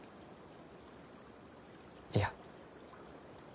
いや。